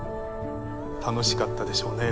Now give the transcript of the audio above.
楽しかったでしょうね？